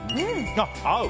合う！